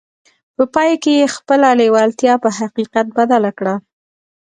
په پای کې يې خپله لېوالتیا په حقيقت بدله کړه.